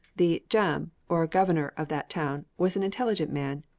The "Djam," or governor of that town, was an intelligent man.